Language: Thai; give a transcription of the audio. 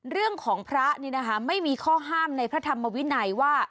เรื่องของพระนี่นะคะไม่มีข้อห้ามในพระธรรมวินัยว่า